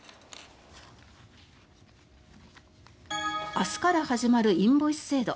明日から始まるインボイス制度。